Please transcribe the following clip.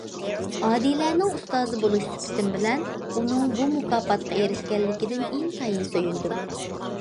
ئادىلەنىڭ ئۇستازى بولۇش سۈپىتىم بىلەن ئۇنىڭ بۇ مۇكاپاتقا ئېرىشكەنلىكىدىن ئىنتايىن سۆيۈندۈم.